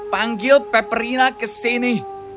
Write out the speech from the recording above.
panggil peperina ke sini